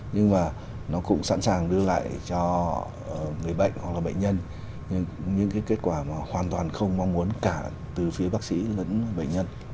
nhưng mà nó cũng sẵn sàng đưa lại cho người bệnh hoặc là bệnh nhân nhưng những cái kết quả mà hoàn toàn không mong muốn cả từ phía bác sĩ lẫn bệnh nhân